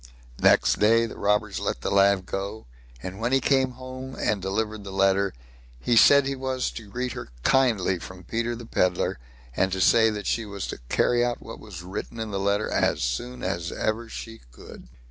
Next day the robbers let the lad go, and when he came home and delivered the letter, he said he was to greet her kindly from Peter the Pedlar, and to say that she was to carry out what was written in the letter as soon as ever she could.